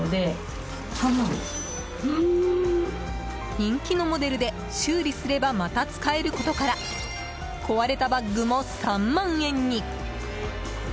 人気のモデルで修理すればまた使えることから壊れたバッグも３万円に。